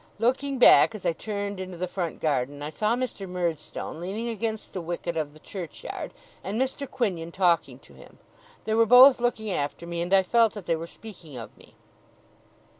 Looking back as I turned into the front garden, I saw Mr. Murdstone leaning against the wicket of the churchyard, and Mr. Quinion talking to him. They were both looking after me, and I felt that they were speaking of me.